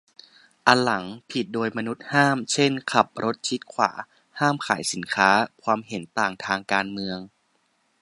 อันหลัง ผิดโดยมนุษย์ห้าม เช่น ขับรถชิดขวา ห้ามขายสินค้า ความเห็นต่างทางการเมือง